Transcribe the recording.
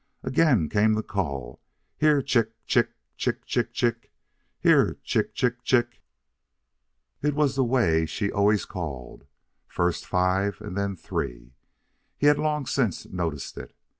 Again came the call: "Here, chick, chick, chick, chick, chick! Here, chick, chick, chick!" It was the way she always called first five, and then three. He had long since noticed it.